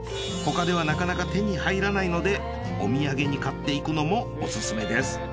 他ではなかなか手に入らないのでお土産に買っていくのもオススメです。